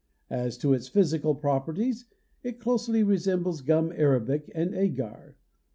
As to its physical properties it closely resembles gum arabic and agar.